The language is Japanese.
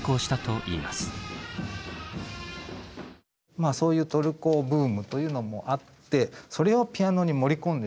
まあそういうトルコブームというのもあってそれをピアノに盛り込んでしまおう。